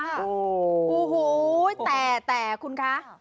โอ้โหแต่คุณคะ